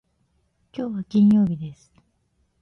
きょうは金曜日です。